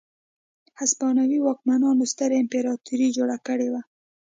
هسپانوي واکمنانو ستره امپراتوري جوړه کړې وه.